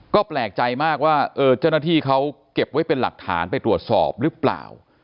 ก็แปลกใจมากว่าเจ้าหน้าที่เขาเก็บไว้เป็นหลักฐานไปตรวจสอบหรือเปล่า